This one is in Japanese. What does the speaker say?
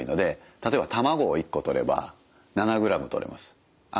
例えば卵を１個とれば７ｇとれます。